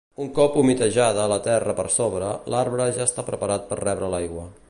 Un cop humitejada la terra per sobre, l'arbre ja està preparat per rebre l'aigua.